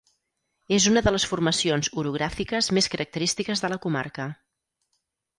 És una de les formacions orogràfiques més característiques de la comarca.